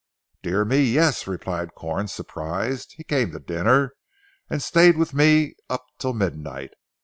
"Dear me, yes," replied Corn surprised. "He came to dinner, and stayed with me up till midnight.